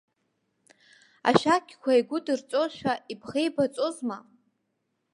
Ашәақьқәа еигәыдырҵозшәа, ибӷеибаҵозма?